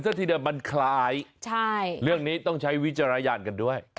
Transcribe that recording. ซะทีเดียวมันคล้ายเรื่องนี้ต้องใช้วิจารณญาณกันด้วย